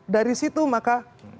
dari situ maka